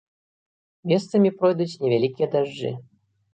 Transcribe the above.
Месцамі пройдуць невялікія дажджы.